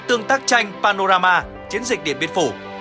tương tác tranh panorama chiến dịch điện biên phủ